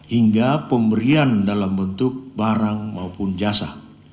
hingga pemberian dalam bentuk barang maupun jasa